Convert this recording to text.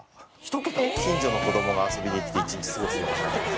近所の子供が遊びに来て一日過ごすような。